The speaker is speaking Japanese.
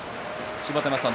芝田山さん